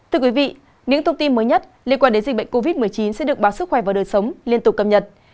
thưa quý vị những thông tin mới nhất liên quan đến dịch bệnh covid một mươi chín sẽ được báo sức khỏe và đời sống liên tục cập nhật